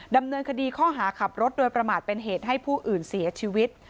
ดำเนินคดีข้อหาขับรถโดยประมาทเป็นเหตุให้ผู้อื่นเสียชีวิต